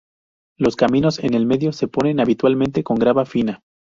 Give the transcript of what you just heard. Los caminos en el medio se ponen habitualmente con grava fina.